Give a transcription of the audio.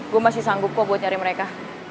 gue masih sanggup kok buat nyari mereka